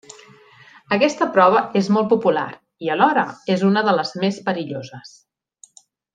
Aquesta prova és molt popular i alhora és una de les més perilloses.